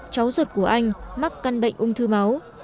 cháu ruột của anh mắc căn bệnh ung thư máu